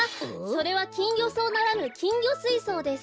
それはきんぎょそうならぬきんぎょスイソウです。